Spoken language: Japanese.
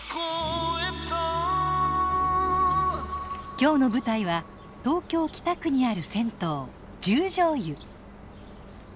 今日の舞台は東京・北区にある銭湯十條湯。